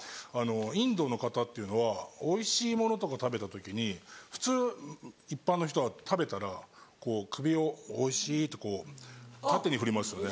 インドの方っていうのはおいしいものとか食べた時に普通一般の人は食べたらこう首を「おいしい」ってこう縦に振りますよね。